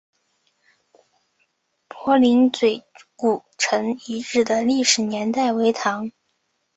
柏林嘴古城遗址的历史年代为唐。